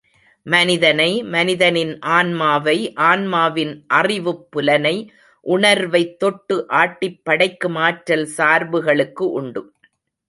மனிதனை மனிதனின் ஆன்மாவை, ஆன்மாவின் அறிவுப் புலனை, உணர்வைத் தொட்டு ஆட்டிப் படைக்கும் ஆற்றல் சார்புகளுக்கு உண்டு.